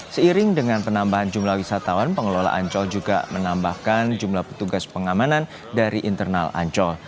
seiring dengan penambahan jumlah wisatawan pengelola ancol juga menambahkan jumlah petugas pengamanan dari internal ancol